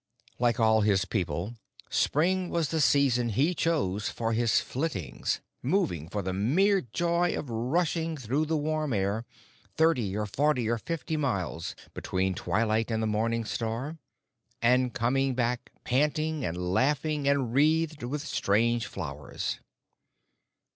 Like all his people, spring was the season he chose for his flittings moving, for the mere joy of rushing through the warm air, thirty, forty, or fifty miles between twilight and the morning star, and coming back panting and laughing and wreathed with strange flowers.